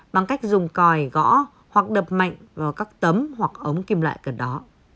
bằng cách dùng còi gõ hoặc đập mạnh vào các tấm hoặc ống kim loại gần đó